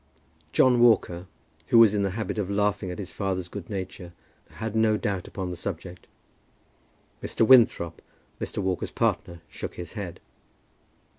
John Walker, who was in the habit of laughing at his father's good nature, had no doubt upon the subject. Mr. Winthrop, Mr. Walker's partner, shook his head.